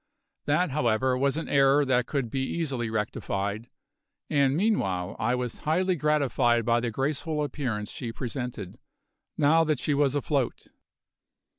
That, however, was an error that could be easily rectified; and meanwhile I was highly gratified by the graceful appearance she presented, now that she was afloat.